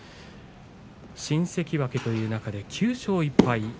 新関脇という中で９勝１敗。